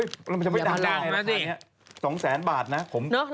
อย่ามาดังนะสิ